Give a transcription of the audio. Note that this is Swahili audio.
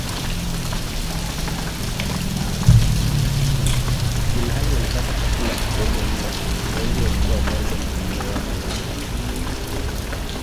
Ilhali walipata chakula kidogo mno, wengi walikuwa wagonjwa na kuuawa baadaye.